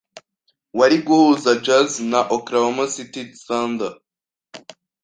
wari guhuza Jazz na Oklahoma City Thunder